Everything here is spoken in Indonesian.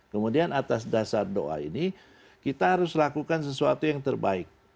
kemudian atas dasar doa ini kita harus lakukan sesuatu yang terbaik